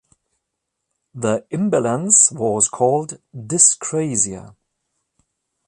The imbalance was called "dyscrasia".